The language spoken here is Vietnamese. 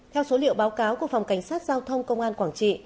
theo số liệu báo cáo của phòng cảnh sát giao thông công an quảng trị